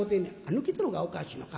「抜けとるほうがおかしいのか。